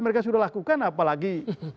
mereka sudah lakukan apalagi